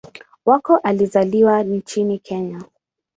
Wako alizaliwa nchini Kenya.